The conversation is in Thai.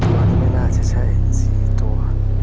๓ตัวนี่ไม่น่าจะใช่๔ตัว